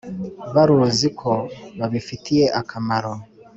baruzi ko bibafitiye akamaro.